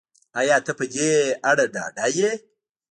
ایا ته په دې اړه ډاډه یې